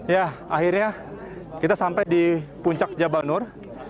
ya akhirnya kita sampai di puncak jabal nur